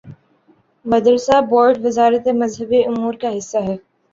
مدرسہ بورڈوزارت مذہبی امور کا حصہ ہے۔